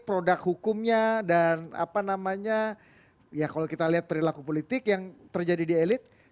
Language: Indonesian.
produk hukumnya dan apa namanya ya kalau kita lihat perilaku politik yang terjadi di elit